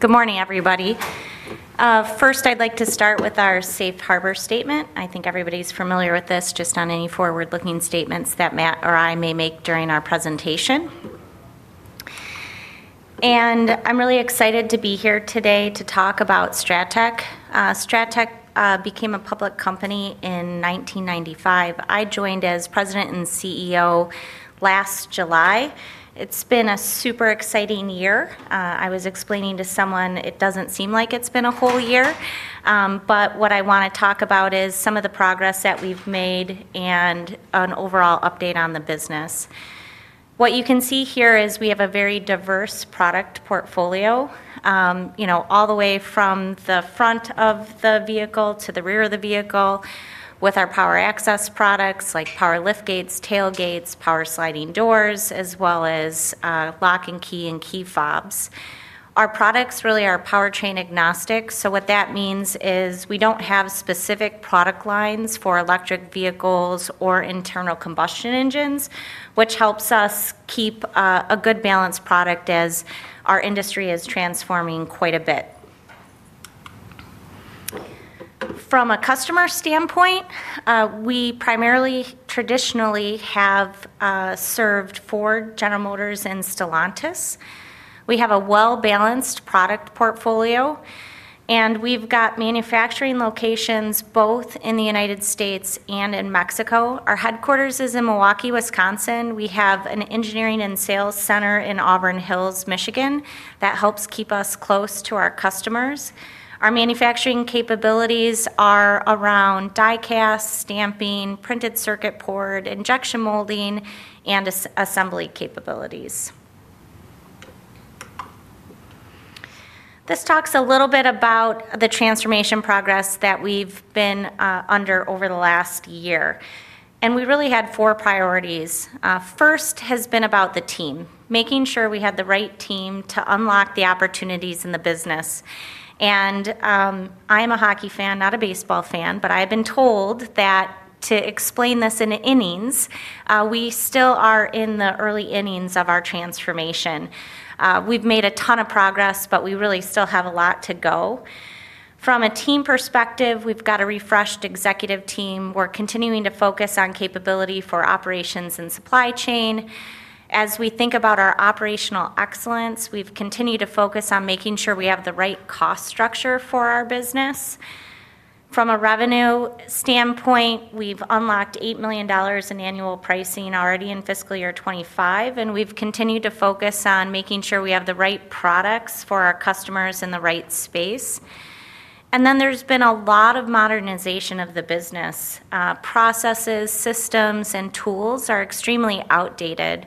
Good morning, everybody. First, I'd like to start with our Safe Harbor statement. I think everybody's familiar with this, just on any forward-looking statements that Matt or I may make during our presentation. I'm really excited to be here today to talk about Strattec. Strattec became a public company in 1995. I joined as President and CEO last July. It's been a super exciting year. I was explaining to someone, it doesn't seem like it's been a whole year. What I want to talk about is some of the progress that we've made and an overall update on the business. What you can see here is we have a very diverse product portfolio, all the way from the front of the vehicle to the rear of the vehicle, with our power access products like power liftgates, tailgates, power sliding doors, as well as locksets, keys, and digital key fobs. Our products really are powertrain agnostic. What that means is we don't have specific product lines for electric vehicles or internal combustion engines, which helps us keep a good balanced product as our industry is transforming quite a bit. From a customer standpoint, we primarily traditionally have served Ford, General Motors, and Stellantis. We have a well-balanced product portfolio, and we've got manufacturing locations both in the United States and in Mexico. Our headquarters is in Milwaukee, Wisconsin. We have an engineering and sales center in Auburn Hills, Michigan, that helps keep us close to our customers. Our manufacturing capabilities are around die cast, stamping, printed circuit board, injection molding, and assembly capabilities. This talks a little bit about the transformation progress that we've been under over the last year. We really had four priorities. First has been about the team, making sure we had the right team to unlock the opportunities in the business. I'm a hockey fan, not a baseball fan, but I've been told that to explain this in the innings, we still are in the early innings of our transformation. We've made a ton of progress, but we really still have a lot to go. From a team perspective, we've got a refreshed executive team. We're continuing to focus on capability for operations and supply chain. As we think about our operational excellence, we've continued to focus on making sure we have the right cost structure for our business. From a revenue standpoint, we've unlocked $8 million in annual pricing already in fiscal year 2025. We have continued to focus on making sure we have the right products for our customers in the right space. There has been a lot of modernization of the business. Processes, systems, and tools are extremely outdated.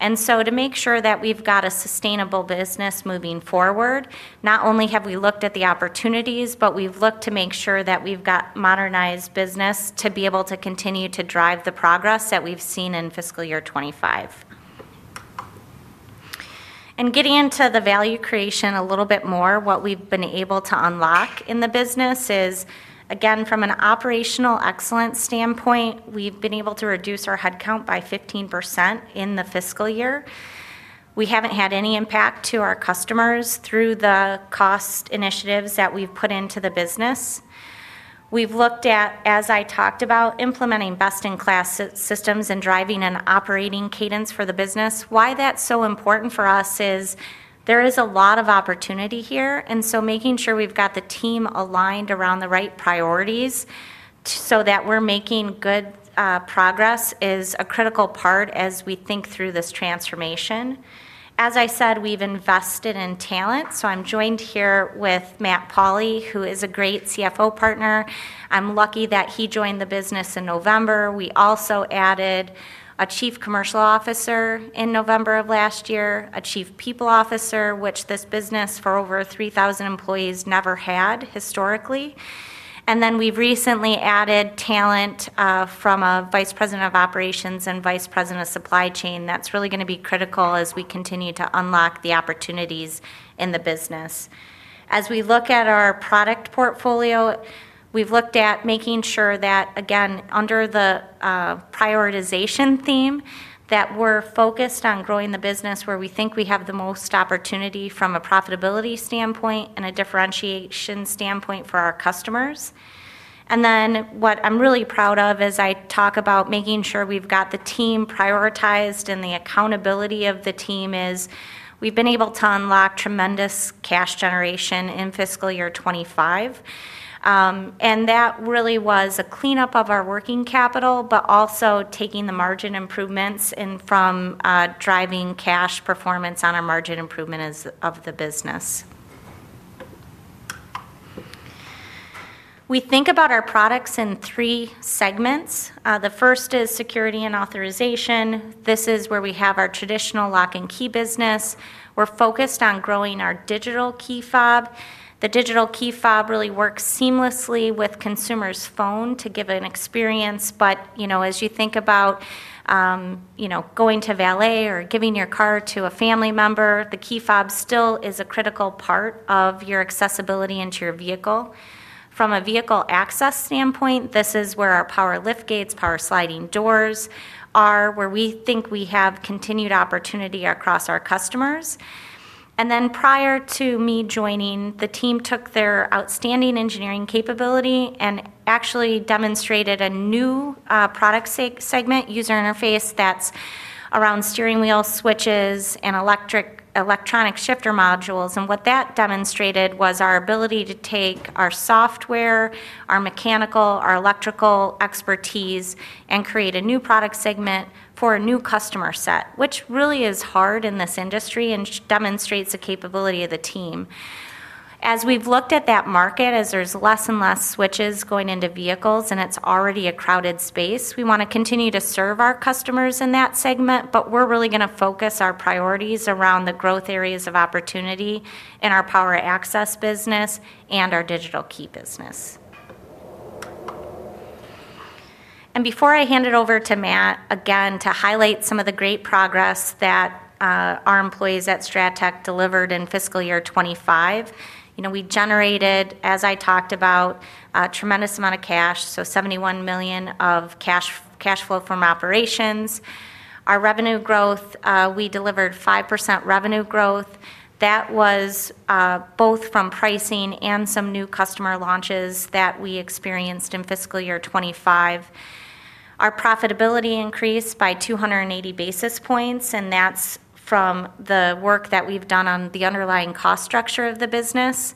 To make sure that we've got a sustainable business moving forward, not only have we looked at the opportunities, but we've looked to make sure that we've got modernized business to be able to continue to drive the progress that we've seen in fiscal year 2025. Getting into the value creation a little bit more, what we've been able to unlock in the business is, again, from an operational excellence standpoint, we've been able to reduce our headcount by 15% in the fiscal year. We haven't had any impact to our customers through the cost initiatives that we've put into the business. We have looked at, as I talked about, implementing best-in-class systems and driving an operating cadence for the business. That is so important for us because there is a lot of opportunity here. Making sure we've got the team aligned around the right priorities so that we're making good progress is a critical part as we think through this transformation. As I said, we've invested in talent. I'm joined here with Matt Pauli, who is a great CFO partner. I'm lucky that he joined the business in November. We also added a Chief Commercial Officer in November of last year, a Chief People Officer, which this business, for over 3,000 employees, never had historically. We have recently added talent from a Vice President of Operations and Vice President of Supply Chain that's really going to be critical as we continue to unlock the opportunities in the business. As we look at our product portfolio, we've looked at making sure that, again, under the prioritization theme, we're focused on growing the business where we think we have the most opportunity from a profitability standpoint and a differentiation standpoint for our customers. What I'm really proud of as I talk about making sure we've got the team prioritized, and the accountability of the team, is we've been able to unlock tremendous cash generation in fiscal year 2025. That really was a cleanup of our working capital, but also taking the margin improvements and from driving cash performance on our margin improvement of the business. We think about our products in three segments. The first is security and authorization. This is where we have our traditional lock and key business. We're focused on growing our digital key fob. The digital key fob really works seamlessly with consumers' phone to give an experience. As you think about going to valet or giving your car to a family member, the key fob still is a critical part of your accessibility into your vehicle. From a vehicle access standpoint, this is where our power liftgates and power sliding doors are where we think we have continued opportunity across our customers. Prior to me joining, the team took their outstanding engineering capability and actually demonstrated a new product segment, user interface that's around steering wheel switches and electronic shifter modules. What that demonstrated was our ability to take our software, our mechanical, our electrical expertise, and create a new product segment for a new customer set, which really is hard in this industry and demonstrates the capability of the team. As we've looked at that market, as there's less and less switches going into vehicles, and it's already a crowded space, we want to continue to serve our customers in that segment. We're really going to focus our priorities around the growth areas of opportunity in our power access business and our digital key business. Before I hand it over to Matt, again, to highlight some of the great progress that our employees at Strattec delivered in fiscal year 2025, we generated, as I talked about, a tremendous amount of cash, so $71 million of cash flow from operations. Our revenue growth, we delivered 5% revenue growth. That was both from pricing and some new customer launches that we experienced in fiscal year 2025. Our profitability increased by 280 basis points, and that's from the work that we've done on the underlying cost structure of the business.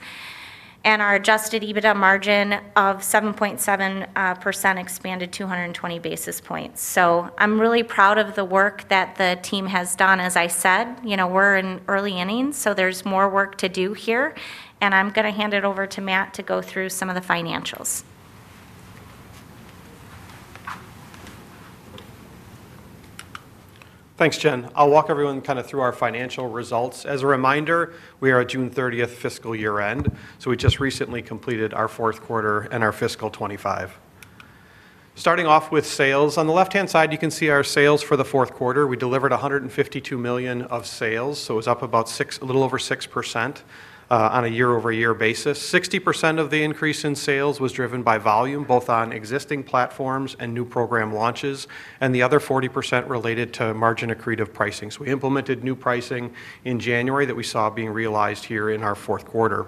Our adjusted EBITDA margin of 7.7% expanded 220 basis points. I'm really proud of the work that the team has done. As I said, we're in early innings, so there's more work to do here. I'm going to hand it over to Matt to go through some of the financials. Thanks, Jen. I'll walk everyone kind of through our financial results. As a reminder, we are at June 30th fiscal year end. We just recently completed our Fourth Quarter and our fiscal 2025. Starting off with sales, on the left-hand side, you can see our sales for the fourth quarter. We delivered $152 million of sales. It was up about a little over 6% on a year-over-year basis. 60% of the increase in sales was driven by volume, both on existing platforms and new program launches, and the other 40% related to margin accretive pricing. We implemented new pricing in January that we saw being realized here in our fourth quarter.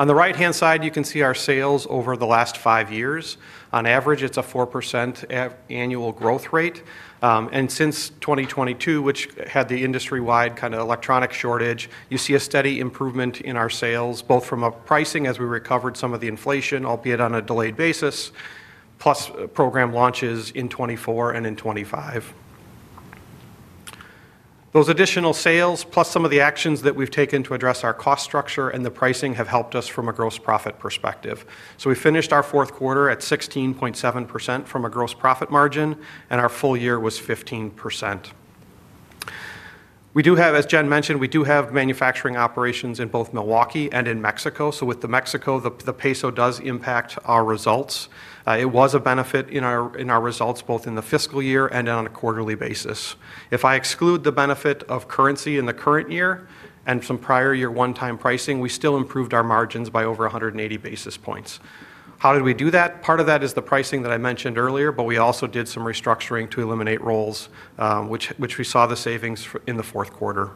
On the right-hand side, you can see our sales over the last five years. On average, it's a 4% annual growth rate. Since 2022, which had the industry-wide kind of electronic shortage, you see a steady improvement in our sales, both from pricing as we recovered some of the inflation, albeit on a delayed basis, plus program launches in 2024 and in 2025. Those additional sales, plus some of the actions that we've taken to address our cost structure and the pricing, have helped us from a gross profit perspective. We finished our Fourth Quarter at 16.7% from a gross profit margin, and our full year was 15%. We do have, as Jen mentioned, we do have manufacturing operations in both Milwaukee and in Mexico. With the Mexico, the peso does impact our results. It was a benefit in our results, both in the fiscal year and on a quarterly basis. If I exclude the benefit of currency in the current year and some prior year one-time pricing, we still improved our margins by over 180 basis points. How did we do that? Part of that is the pricing that I mentioned earlier, but we also did some restructuring to eliminate roles, which we saw the savings in the fourth quarter.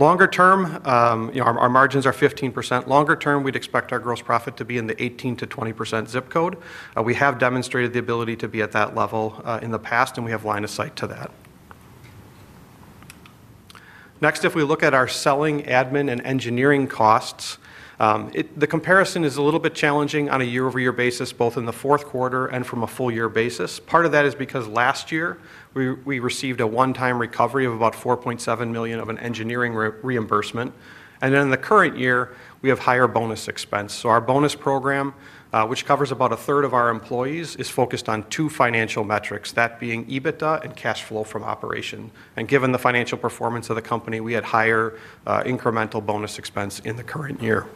Longer term, our margins are 15%. Longer term, we'd expect our gross profit to be in the 18%-20% zip code. We have demonstrated the ability to be at that level in the past, and we have line of sight to that. Next, if we look at our selling admin and engineering costs, the comparison is a little bit challenging on a year-over-year basis, both in the Fourth Quarter and from a full-year basis. Part of that is because last year we received a one-time recovery of about $4.7 million of an engineering reimbursement. In the current year, we have higher bonus expense. Our bonus program, which covers about a third of our employees, is focused on two financial metrics, that being EBITDA and cash flow from operations. Given the financial performance of the company, we had higher incremental bonus expense in the current year.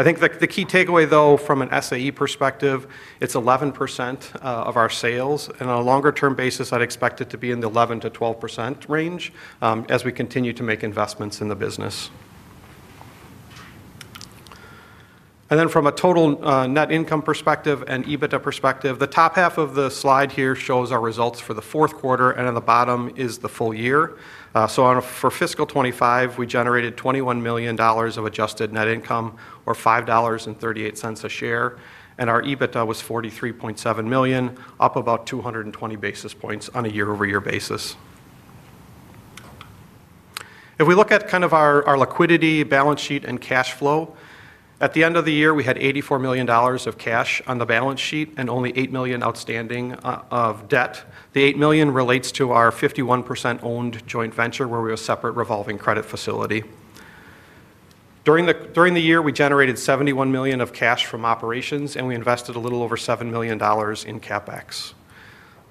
I think the key takeaway, though, from an SAE perspective, it's 11% of our sales. On a longer-term basis, I'd expect it to be in the 11% to 12% range as we continue to make investments in the business. From a total net income perspective and EBITDA perspective, the top half of the slide here shows our results for the fourth quarter, and at the bottom is the full year. For fiscal 2025, we generated $21 million of adjusted net income, or $5.38 a share. Our EBITDA was $43.7 million, up about 220 basis points on a year-over-year basis. If we look at our liquidity, balance sheet, and cash flow, at the end of the year, we had $84 million of cash on the balance sheet and only $8 million outstanding of debt. The $8 million relates to our 51% owned joint venture, where we have a separate revolving credit facility. During the year, we generated $71 million of cash from operations, and we invested a little over $7 million in CapEx.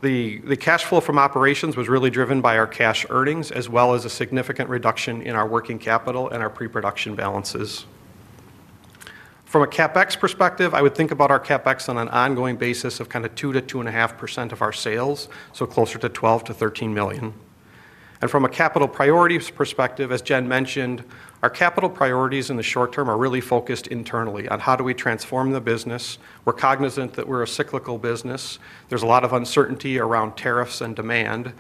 The cash flow from operations was really driven by our cash earnings, as well as a significant reduction in our working capital and our pre-production balances. From a CapEx perspective, I would think about our CapEx on an ongoing basis of 2%-2.5% of our sales, so closer to $12 million-$13 million. From a capital priorities perspective, as Jen mentioned, our capital priorities in the short term are really focused internally on how do we transform the business. We're cognizant that we're a cyclical business. There's a lot of uncertainty around tariffs and demand.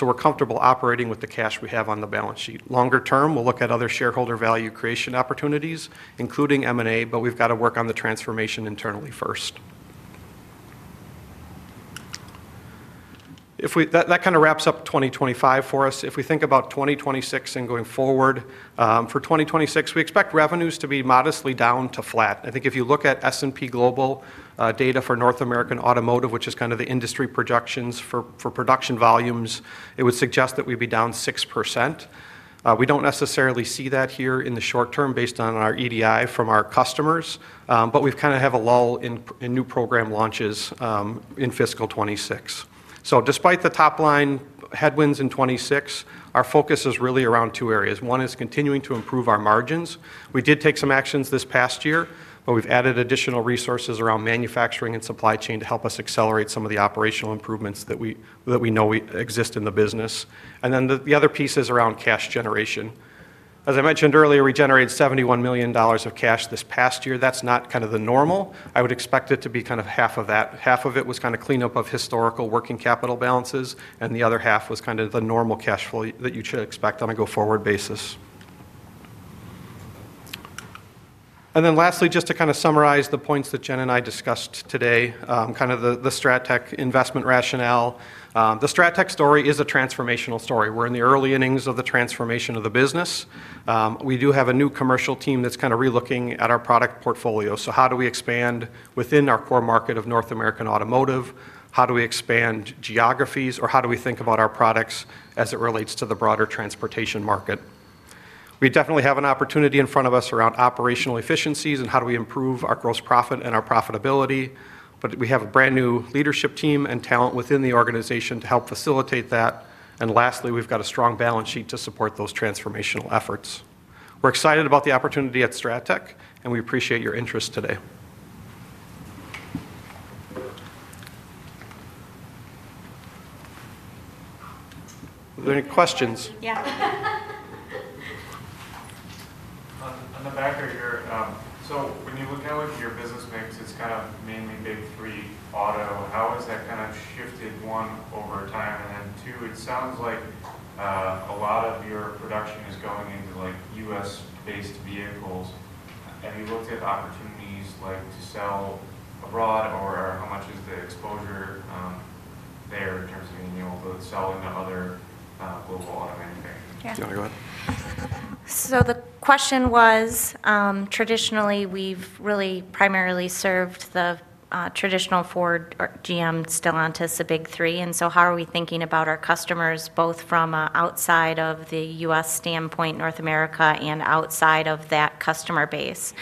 We're comfortable operating with the cash we have on the balance sheet. Longer term, we'll look at other shareholder value creation opportunities, including M&A, but we've got to work on the transformation internally first. That kind of wraps up 2025 for us. If we think about 2026 and going forward, for 2026, we expect revenues to be modestly down to flat. If you look at S&P Global data for North American Automotive, which is the industry projections for production volumes, it would suggest that we'd be down 6%. We don't necessarily see that here in the short term based on our EDI from our customers, but we kind of have a lull in new program launches in fiscal 2026. Despite the top line headwinds in 2026, our focus is really around two areas. One is continuing to improve our margins. We did take some actions this past year, but we've added additional resources around manufacturing and supply chain to help us accelerate some of the operational improvements that we know exist in the business. The other piece is around cash generation. As I mentioned earlier, we generated $71 million of cash this past year. That's not kind of the normal. I would expect it to be kind of half of that. Half of it was kind of cleanup of historical working capital balances, and the other half was kind of the normal cash flow that you should expect on a go-forward basis. Lastly, just to summarize the points that Jen and I discussed today, the Strattec investment rationale, the Strattec story is a transformational story. We're in the early innings of the transformation of the business. We do have a new commercial team that's kind of relooking at our product portfolio. How do we expand within our core market of North American Automotive? How do we expand geographies, or how do we think about our products as it relates to the broader transportation market? We definitely have an opportunity in front of us around operational efficiencies and how do we improve our gross profit and our profitability. We have a brand new leadership team and talent within the organization to help facilitate that. Lastly, we've got a strong balance sheet to support those transformational efforts. We're excited about the opportunity at Strattec, and we appreciate your interest today. Are there any questions? Yeah. On the back of your, when you look down into your business land, it's kind of mainly been free auto. How has that kind of shifted, one, over time? Two, it sounds like a lot of your production is going into U.S.-based vehicles. Have you looked at opportunities to sell abroad, or how much is the exposure there in terms of being able to sell into other global auto? Yeah. Go ahead. The question was, traditionally, we've really primarily served the traditional Ford, GM, Stellantis, the big three. How are we thinking about our customers, both from outside of the U.S. standpoint, North America, and outside of that customer base?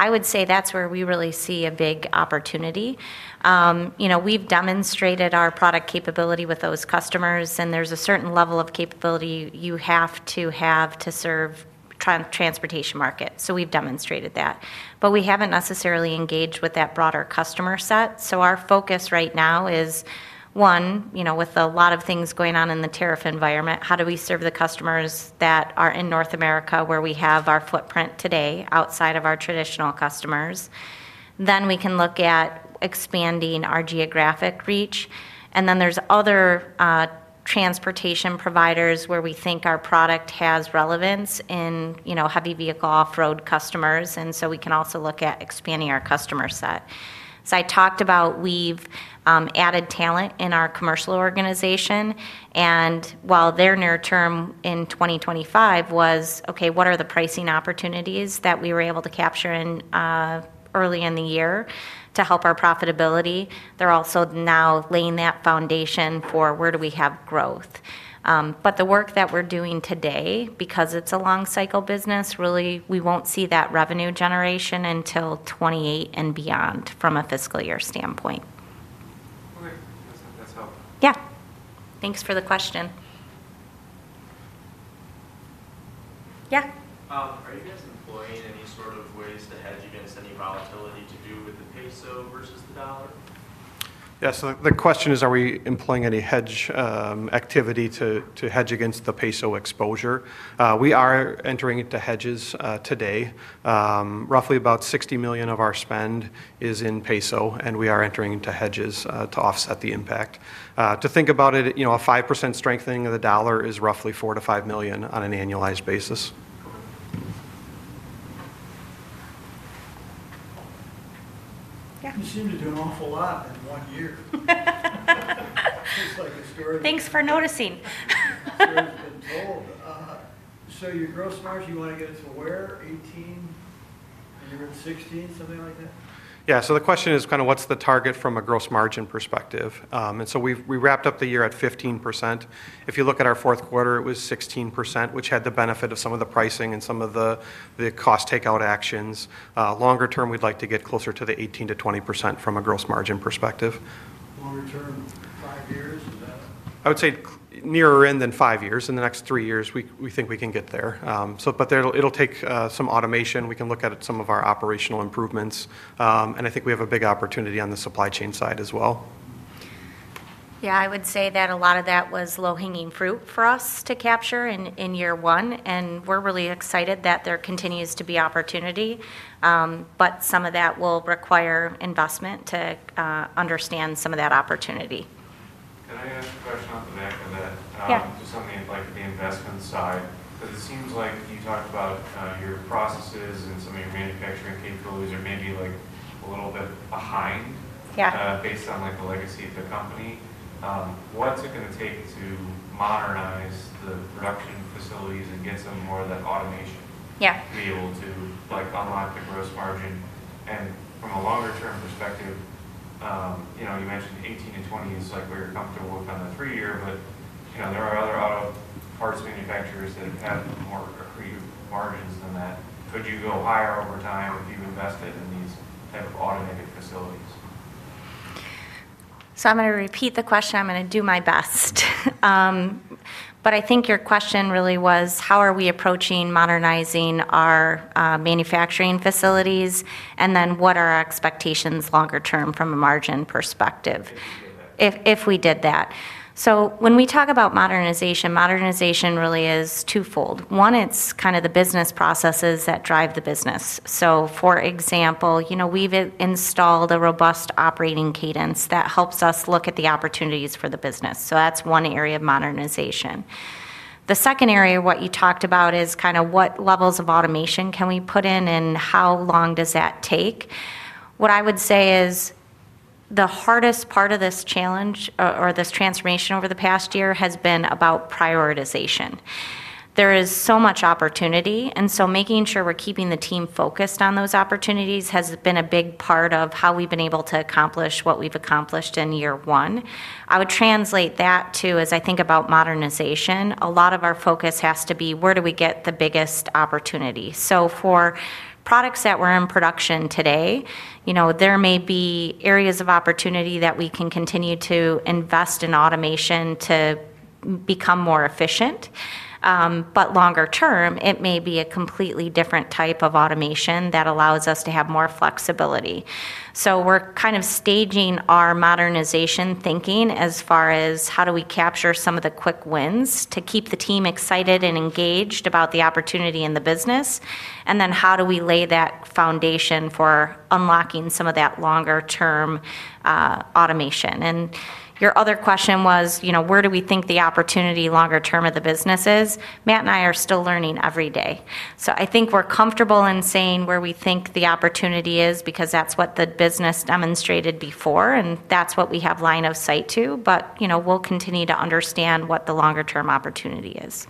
I would say that's where we really see a big opportunity. We've demonstrated our product capability with those customers, and there's a certain level of capability you have to have to serve the transportation market. We've demonstrated that. We haven't necessarily engaged with that broader customer set. Our focus right now is, one, with a lot of things going on in the tariff environment, how do we serve the customers that are in North America, where we have our footprint today outside of our traditional customers? We can look at expanding our geographic reach. There are other transportation providers where we think our product has relevance in, you know, heavy vehicle off-road customers. We can also look at expanding our customer set. I talked about we've added talent in our commercial organization. While their near term in 2025 was, okay, what are the pricing opportunities that we were able to capture early in the year to help our profitability, they're also now laying that foundation for where do we have growth. The work that we're doing today, because it's a long-cycle business, really, we won't see that revenue generation until 2028 and beyond from a fiscal year standpoint. That's all. Yeah. Thanks for the question. Yeah. Are you guys employing any sort of ways to hedge against any volatility to do with the peso versus the dollar? Yeah, the question is, are we employing any hedge activity to hedge against the peso exposure? We are entering into hedges today. Roughly about $60 million of our spend is in peso, and we are entering into hedges to offset the impact. To think about it, you know, a 5% strengthening of the dollar is roughly $4 million-$5 million on an annualized basis. Yeah. I'm assuming you're going full out in one year. Thanks for noticing. Your gross margin, you want to get it to where? $18 million? $16 million, something like that? Yeah, the question is kind of what's the target from a gross margin perspective. We wrapped up the year at 15%. If you look at our Fourth Quarter, it was 16%, which had the benefit of some of the pricing and some of the cost takeout actions. Longer term, we'd like to get closer to the 18%-20% from a gross margin perspective. Longer term, five years? I would say nearer end than five years. In the next three years, we think we can get there. It'll take some automation. We can look at some of our operational improvements, and I think we have a big opportunity on the supply chain side as well. I would say that a lot of that was low-hanging fruit for us to capture in year one. We're really excited that there continues to be opportunity. Some of that will require investment to understand some of that opportunity. I have a question on the direct, and that to some of the investment side, because it seems like you've got your processes and some of your manufacturing capabilities that may be a little bit behind. Yeah. Based on the legacy of the company, what's it going to take to modernize the production facilities and get some more of that automation? Yeah. To be able to unlock the gross margin. From a longer-term perspective, you mentioned 18%-20%, you said we're comfortable with on the free year. There are other auto parts manufacturers that have more free margins than that. Could you go higher over time if you invested in these types of automated facilities? I'm going to repeat the question. I'm going to do my best. I think your question really was, how are we approaching modernizing our manufacturing facilities? What are our expectations longer term from a margin perspective if we did that? When we talk about modernization, modernization really is twofold. One, it's kind of the business processes that drive the business. For example, we've installed a robust operating cadence that helps us look at the opportunities for the business. That's one area of modernization. The second area, what you talked about, is kind of what levels of automation can we put in and how long does that take? What I would say is the hardest part of this challenge or this transformation over the past year has been about prioritization. There is so much opportunity. Making sure we're keeping the team focused on those opportunities has been a big part of how we've been able to accomplish what we've accomplished in year one. I would translate that to, as I think about modernization, a lot of our focus has to be where do we get the biggest opportunity? For products that are in production today, there may be areas of opportunity that we can continue to invest in automation to become more efficient. Longer term, it may be a completely different type of automation that allows us to have more flexibility. We're kind of staging our modernization thinking as far as how do we capture some of the quick wins to keep the team excited and engaged about the opportunity in the business, and then how do we lay that foundation for unlocking some of that longer-term automation? Your other question was, where do we think the opportunity longer term of the business is? Matt and I are still learning every day. I think we're comfortable in saying where we think the opportunity is because that's what the business demonstrated before, and that's what we have line of sight to. We'll continue to understand what the longer-term opportunity is.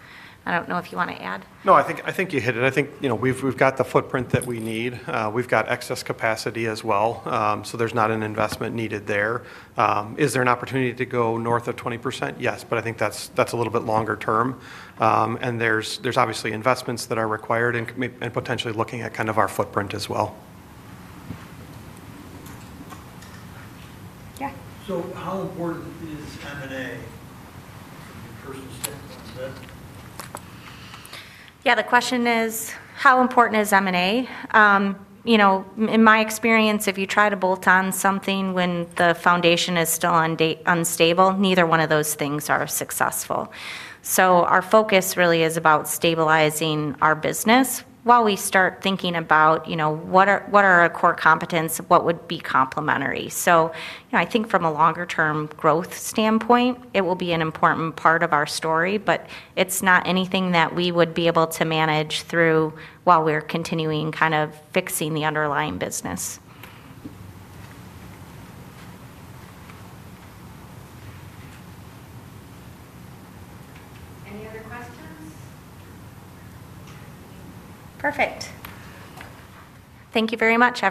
I don't know if you want to add. No, I think you hit it. I think you know we've got the footprint that we need. We've got excess capacity as well, so there's not an investment needed there. Is there an opportunity to go north of 20%? Yes, but I think that's a little bit longer term. There's obviously investments that are required and potentially looking at kind of our footprint as well. Yeah. How important is M&A? Yeah, the question is, how important is M&A? In my experience, if you try to bolt on something when the foundation is still unstable, neither one of those things are successful. Our focus really is about stabilizing our business while we start thinking about what are our core competence, what would be complementary. I think from a longer-term growth standpoint, it will be an important part of our story. It's not anything that we would be able to manage through while we're continuing kind of fixing the underlying business. Any other questions? Perfect. Thank you very much.